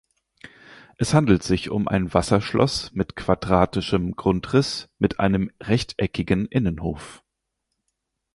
Es handelt sich um ein Wasserschloss mit quadratischem Grundriss mit einem rechteckigen Innenhof.